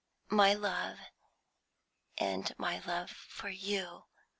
My love, and my love for you.